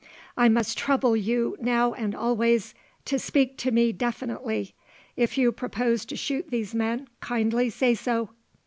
"I must trouble you, now and always, to speak to me definitely. If you propose to shoot these men, kindly say so."